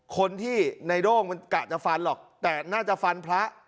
คนที่ในโด้งมันกะจะฟันหรอกแต่น่าจะฟันพระ